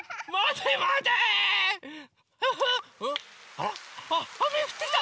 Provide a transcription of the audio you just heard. あら？あっあめがふってきた！